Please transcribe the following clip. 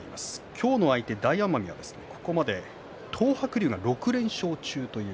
今日の相手、大奄美ここまで東白龍が６連勝中です。